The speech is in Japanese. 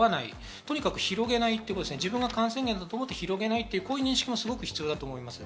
とにかく広げない、自分が感染源だと思って広げないという認識もすごく必要だと思います。